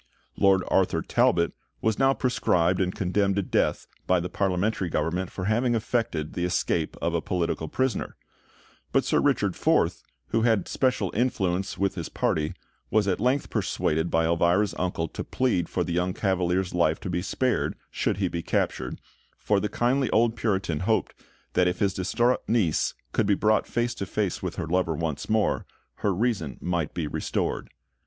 Lord Arthur Talbot was now proscribed and condemned to death by the Parliamentary Government for having effected the escape of a political prisoner; but Sir Richard Forth, who had special influence with his party, was at length persuaded by Elvira's uncle to plead for the young Cavalier's life to be spared, should he be captured, for the kindly old Puritan hoped that if his distraught niece could be brought face to face with her lover once more, her reason might be restored.